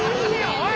おい！